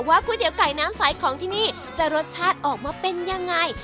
ก๋วยเตี๋ยไก่น้ำใสของที่นี่จะรสชาติออกมาเป็นยังไง